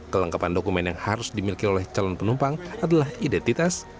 kelengkapan dokumen yang harus dimiliki oleh calon penumpang adalah identitas